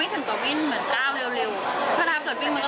พอเขาได้เงินเสร็จทีเขารีบวิ่งเลยนะ